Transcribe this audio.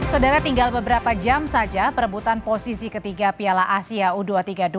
saudara tinggal beberapa jam saja perebutan posisi ketiga piala asia u dua puluh tiga dua ribu dua puluh